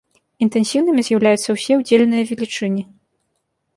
Інтэнсіўнымі з'яўляюцца ўсе удзельныя велічыні.